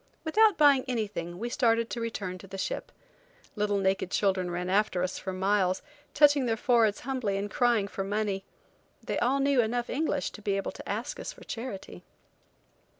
Without buying anything we started to return to the ship. Little naked children ran after us for miles, touching their foreheads humbly and crying for money. They all knew enough English to be able to ask us for charity.